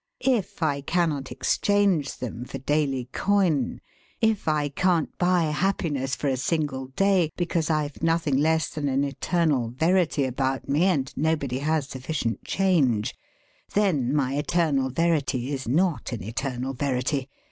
If I cannot exchange them for daily coin if I can't buy happiness for a single day because I've nothing less than an eternal verity about me and nobody has sufficient change then my eternal verity is not an eternal verity.